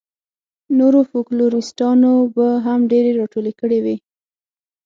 نورو فوکلوریسټانو به هم ډېرې راټولې کړې وي.